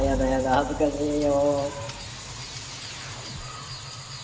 恥ずかしいよ。